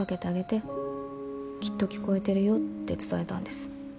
「きっと聞こえてるよ」って伝えたんです。